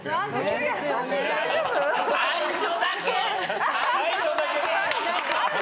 最初だけ！